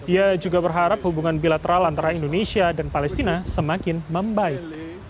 ia juga berharap hubungan bilateral antara indonesia dan palestina semakin membaik